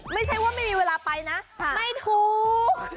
ไม่ใช่ว่าไม่มีเวลาไปนะไม่ถูก